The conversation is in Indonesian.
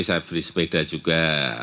saya beli sepeda juga